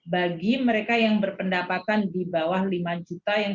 bagi mereka yang berpendapatan di bawah lima triliun rupiah